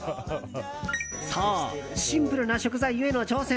そう、シンプルな食材ゆえの挑戦。